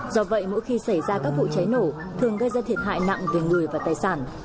do vậy mỗi khi xảy ra các vụ cháy nổ thường gây ra thiệt hại nặng về người và tài sản